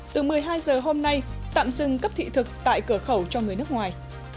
từ một mươi hai giờ hôm nay tạm dừng cấp thị thực tại cửa khẩu cho người nước ngoài